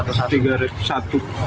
buat tanggul itu apa